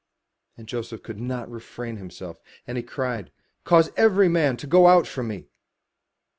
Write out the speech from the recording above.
And Joseph could not refrain himself, and he cried, ''Cause every man to go out from me.'